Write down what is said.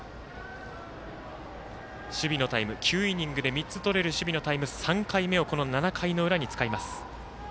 守備のタイム、９イニングで３つとれる守備のタイム３回目をこの７回の裏に使います。